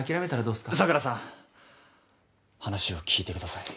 話を聞いてください。